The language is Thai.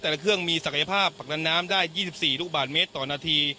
แต่ละเครื่องมีศักยภาพผักดันน้ำได้ยี่สิบสี่ลูกบาทเมตรต่อนาที